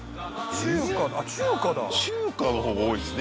中華の方が多いですね